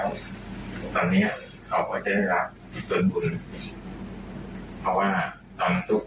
ตอนนี้ของของเจนรับภูมิคุณบุญ